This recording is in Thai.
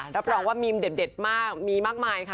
รับรองว่ามีมเด็ดมากมีมากมายค่ะ